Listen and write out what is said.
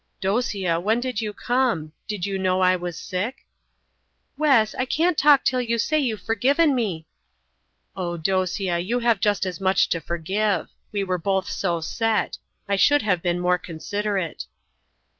"Dosia, when did you come? Did you know I was sick?" "Wes, I can't talk till you say you've forgiven me." "Oh, Dosia, you have just as much to forgive. We were both too set. I should have been more considerate."